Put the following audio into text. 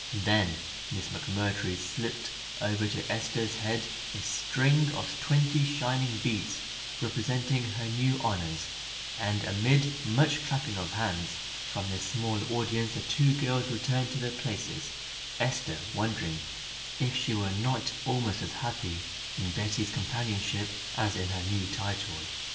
Then Miss McMurtry slipped over Esther's head a string of twenty shining beads representing her new honors, and amid much clapping of hands from their small audience the two girls returned to their places, Esther wondering if she were not almost as happy in Betty's companionship as in her new title.